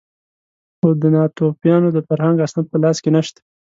خو د ناتوفیانو د فرهنګ اسناد په لاس کې نه شته.